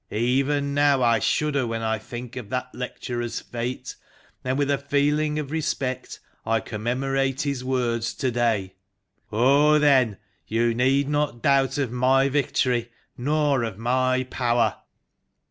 Even now I shudder when I think of that lecturer's fate, and with a feeling of respect I commemorate his words to day. " On, then ! You need not doubt of my victory, nor of my power.